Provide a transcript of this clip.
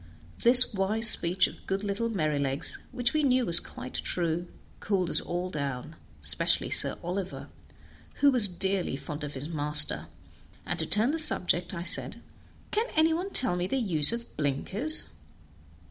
This wise speech of good little Merrylegs, which we knew was quite true, cooled us all down, especially Sir Oliver, who was dearly fond of his master; and to turn the subject I said, "Can any one tell me the use of blinkers?"